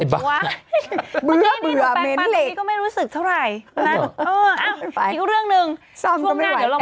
เบื่อเบื่อเม้นเล็กอีกก็ไม่รู้สึกเท่าไรนะอีกเรื่องนึงช่วงนั้นเดี๋ยวเรามาเล่าให้ฟัง